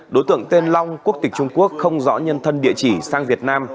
đối tượng tên long quốc tịch trung quốc không rõ nhân thân địa chỉ sang việt nam